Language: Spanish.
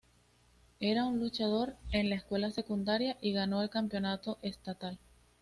Era un luchador en la escuela secundaria y ganó el campeonato estatal.